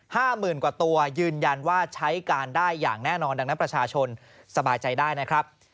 หมื่นกว่าตัวยืนยันว่าใช้การได้อย่างแน่นอนดังนั้นประชาชนสบายใจได้นะครับ